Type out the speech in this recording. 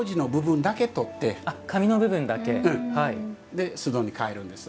で簾戸に替えるんです。